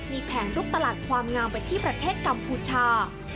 มีแผนลุกตลาดความงามไปที่ประเทศกัมพูชา